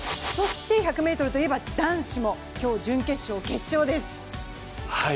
１００ｍといえば男子も今日準決勝、決勝です。